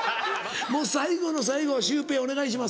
もう最後の最後シュウペイお願いします。